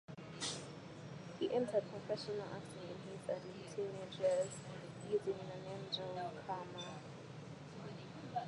He entered professional acting in his early teenage years using the name 'Joey' Cramer.